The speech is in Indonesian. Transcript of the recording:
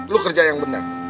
lu kerja yang bener